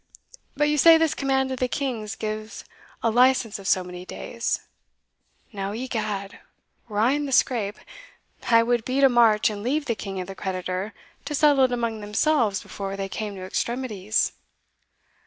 But you say this command of the king's gives a license of so many days Now, egad, were I in the scrape, I would beat a march and leave the king and the creditor to settle it among themselves before they came to extremities."